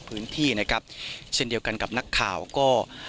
พื้นที่นะครับเช่นเดียวกันกับนักข่าวก็